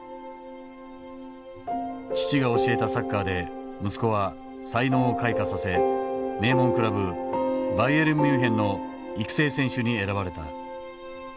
父が教えたサッカーで息子は才能を開花させ名門クラブバイエルンミュンヘンの育成選手に選ばれた。